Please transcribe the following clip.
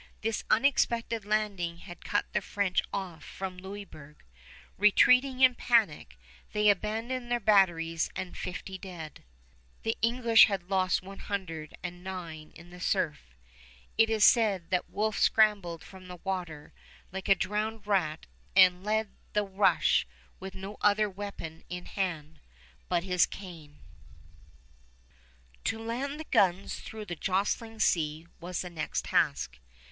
This unexpected landing had cut the French off from Louisburg. Retreating in panic, they abandoned their batteries and fifty dead. The English had lost one hundred and nine in the surf. It is said that Wolfe scrambled from the water like a drowned rat and led the rush with no other weapon in hand but his cane. [Illustration: THE SIEGE OF LOUISBURG (From a contemporary print)] To land the guns through the jostling sea was the next task.